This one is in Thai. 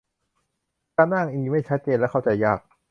การอ้างอิงไม่ชัดเจนและเข้าใจยาก